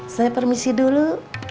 saya permisi dulu